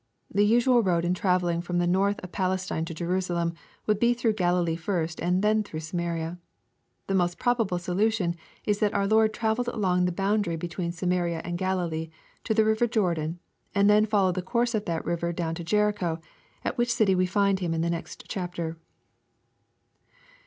The usual road in travelling from the north of Palestine to Jerusalem, would be through Galilee first and then through Samaria. The most probable solution is that our Lord travelled along the boundary between Samaria and Galilee, to the river Jordan, and then followed the course of that river down to Jericho, at which city we find Him in the next chapter.